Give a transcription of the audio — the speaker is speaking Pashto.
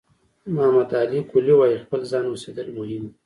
محمد علي کلي وایي خپل ځان اوسېدل مهم دي.